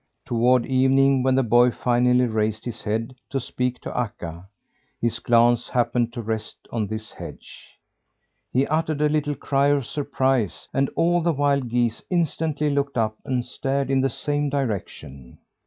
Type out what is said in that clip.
Toward evening when the boy finally raised his head, to speak to Akka, his glance happened to rest on this hedge. He uttered a little cry of surprise, and all the wild geese instantly looked up, and stared in the same direction.